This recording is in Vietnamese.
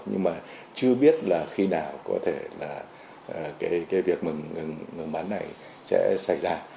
nhưng mà chưa biết là khi nào có thể là cái việc ngừng bán này sẽ xảy ra